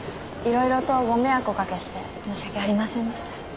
いろいろとご迷惑をおかけして申し訳ありませんでした。